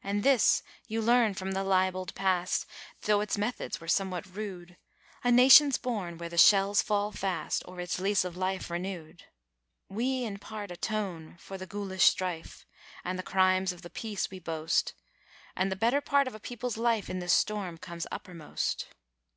And this you learn from the libelled past, though its methods were somewhat rude A nation's born where the shells fall fast, or its lease of life renewed. We in part atone for the ghoulish strife, and the crimes of the peace we boast, And the better part of a people's life in the storm comes uppermost.